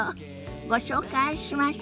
ご紹介しましょ。